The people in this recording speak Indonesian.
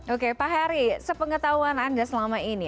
oke pak hari sepengetahuan anda selama ini